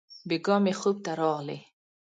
بېګاه مي خوب ته راغلې!